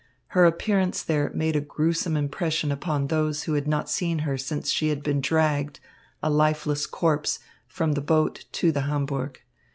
Her appearance there made a gruesome impression upon those who had not seen her since she had been dragged, a lifeless corpse, from the boat to the Hamburg.